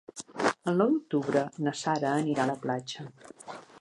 El nou d'octubre na Sara anirà a la platja.